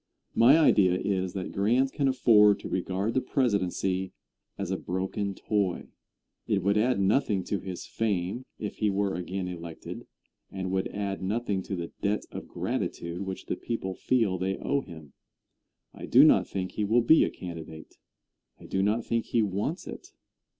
My idea is that Grant can afford to regard the presidency as a broken toy. It would add nothing to his fame if he were again elected, and would add nothing to the debt of gratitude which the people feel they owe him. I do not think he will be a candidate. I do not think he wants it.